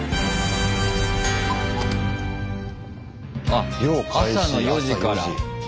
あっ朝の４時から。